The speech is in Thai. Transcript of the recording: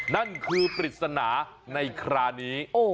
นั่นคือปฤตสนาในคล้านี้